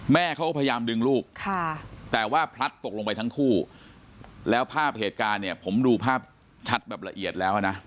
แม่เขาพยายามดึงลูกแต่ว่าพลัดตกลงไปทั้งคู่แล้วภาพเหตุการณ์เนี่ยผมดูภาพชัดแบบละเอียดแล้วนะ